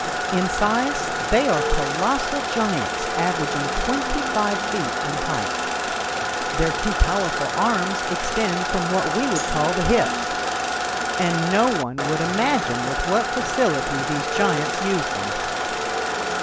In size they are colossal giants, averaging twenty five feet in height. Their two powerful arms extend from what we would call the hips, and no one would imagine with what facility these giants use them.